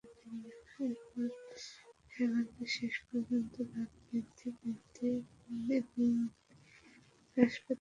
তারপর হেমন্তের শেষ পর্যন্ত রাত বৃদ্ধি পেতে এবং দিন হ্রাস পেতে থাকে।